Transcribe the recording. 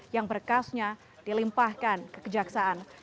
yang berkasnya dilimpahkan kekejaksaan